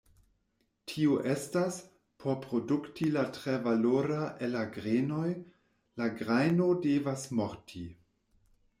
Tio estas, por produkti la tre valora el la grenoj, la grajno devas morti.